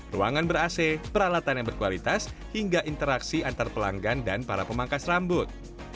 ruangan ber ac peralatan yang berkualitas hingga interaksi antar pelanggan dan para pemangkas rambut